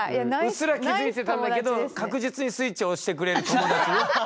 うっすら気付いてたんだけど確実にスイッチを押してくれる友達ね。